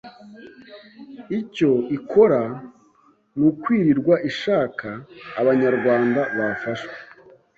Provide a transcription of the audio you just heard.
icyo ikora ni ukwirirwa ishaka abanyarwanda bafashwe,